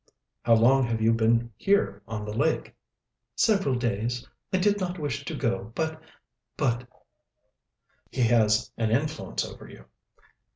"How long have you been here on the lake?" "Several days. I did not wish to go, but, but " "He has an influence over you?"